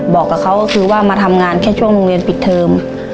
บอกกับเขาก็คือว่ามาทำงานแค่ช่วงโรงเรียนปิดเทอม